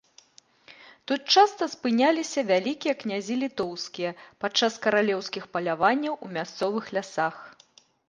Тут часта спыняліся вялікія князі літоўскія пад час каралеўскіх паляванняў у мясцовых лясах.